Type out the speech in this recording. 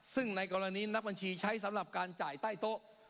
ซึ่งในกรณีนักบัญชีใช้สำหรับการจ่ายใต้โต๊ะ